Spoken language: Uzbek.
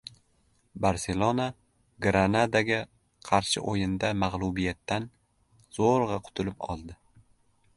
"Barselona" "Granada"ga qarshi o‘yinda mag‘lubiyatdan zo‘rg‘a qutulib qoldi